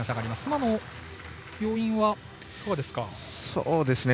今の要因はいかがですか？